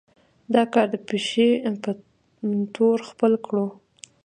دا کار د پيشې پۀ طور خپل کړو